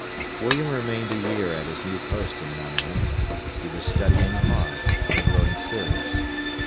William remained a year at his new post in Nottingham. He was studying hard, and growing serious.